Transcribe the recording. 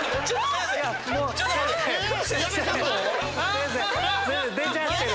⁉先生出ちゃってる！